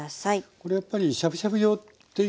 これやっぱりしゃぶしゃぶ用っていうのも。